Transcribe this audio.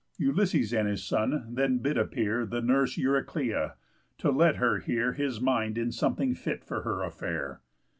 Ulysses and his son then bid appear The nurse Euryclea, to let her hear His mind in something fit for her affair.